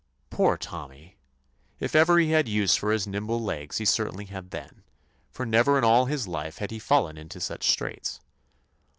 Poor Tommy! if ever he had use for his nimble legs he certainly had then, for never in all his life had he fallen into such straits.